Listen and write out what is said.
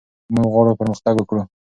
موږ غواړو پرمختګ وکړو.